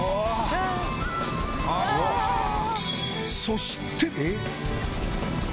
そして！